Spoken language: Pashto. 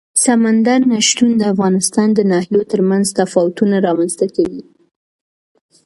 سمندر نه شتون د افغانستان د ناحیو ترمنځ تفاوتونه رامنځ ته کوي.